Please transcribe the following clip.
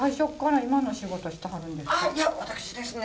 あっいや私ですね